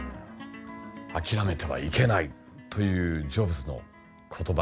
「諦めてはいけない」というジョブズの言葉。